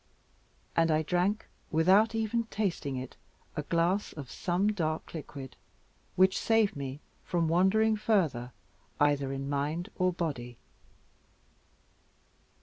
And I drank, without even tasting it, a glass of some dark liquid, which saved me from wandering further either in mind or body.